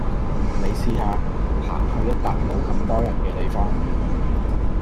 你試吓行去一笪冇咁多人嘅地方